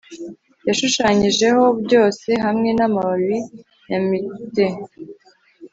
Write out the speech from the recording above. yashushanyijeho byose hamwe namababi ya myrtle